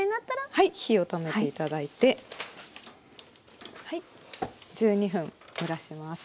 はい火を止めて頂いて１２分蒸らします。